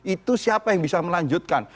itu siapa yang bisa melanjutkan